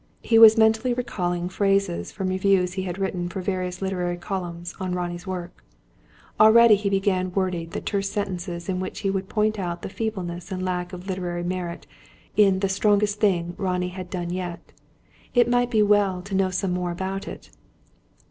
He was mentally recalling phrases from reviews he had written for various literary columns, on Ronnie's work. Already he began wording the terse sentences in which he would point out the feebleness and lack of literary merit, in "the strongest thing" Ronnie had done yet. It might be well to know something more about it.